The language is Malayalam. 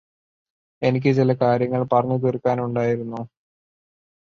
എനിക്ക് ചില കാര്യങ്ങള് പറഞ്ഞു തീര്ക്കാനുണ്ടായിരുന്നു